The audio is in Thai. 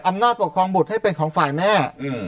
อำนาจปกครองบุตรให้เป็นของฝ่ายแม่